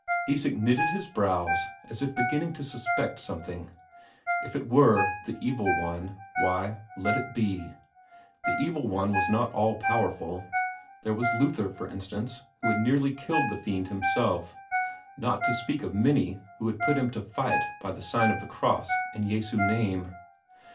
Isak knitted his brows, as if beginning to suspect something. If it were the Evil One, why, let it be; the Evil One was not all powerful there was Luther, for instance, who had nearly killed the fiend himself, not to speak of many who had put him to flight by the sign of the cross and Jesu name.